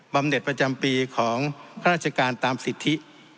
ำเน็ตประจำปีของข้าราชการตามสิทธิ